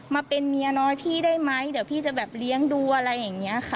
มาเป็นเมียน้อยพี่ได้ไหมเดี๋ยวพี่จะแบบเลี้ยงดูอะไรอย่างนี้ค่ะ